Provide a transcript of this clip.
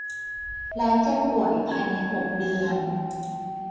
และเจ็บป่วยภายใน หก เดือน